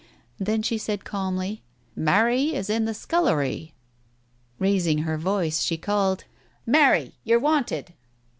... Then she said calmly — "Mary is in the scullery." Raising her voice she called — "Mary! You're wanted."